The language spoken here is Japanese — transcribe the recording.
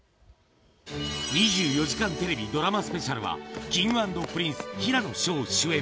２４時間テレビドラマスペシャルはＫｉｎｇ＆Ｐｒｉｎｃｅ・平野紫燿主演。